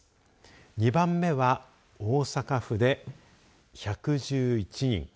２番目は大阪府で１１１人